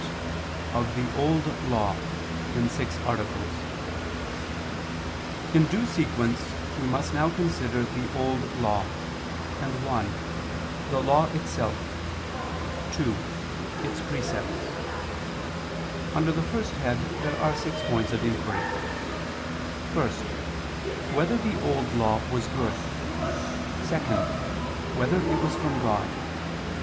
________________________ QUESTION 98 OF THE OLD LAW (In Six Articles) In due sequence we must now consider the Old Law; and (1) The Law itself; (2) Its precepts. Under the first head there are six points of inquiry: (1) Whether the Old Law was good? (2) Whether it was from God?